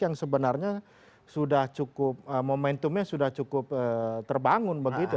yang sebenarnya sudah cukup momentumnya sudah cukup terbangun begitu